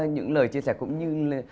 những lời chia sẻ cũng như